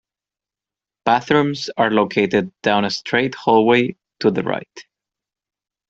Bathrooms are located down a straight hallway to the right.